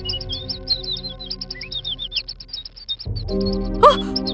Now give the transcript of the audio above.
jangan tolong jangan